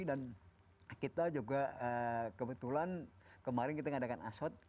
dan kebetulan kemarin kita mengadakan asot